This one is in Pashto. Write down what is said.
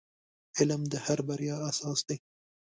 • علم د هر بریا اساس دی.